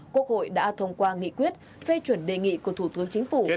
quốc hội đã thông qua nghị quyết phê chuẩn đề nghị của thủ tướng chính phủ